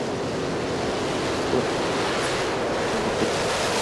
کونسلګرۍ څه خدمات وړاندې کوي؟